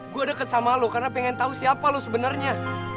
gue deket sama lo karena pengen tahu siapa lo sebenarnya